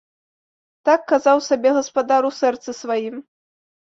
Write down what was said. Так казаў сабе гаспадар у сэрцы сваім!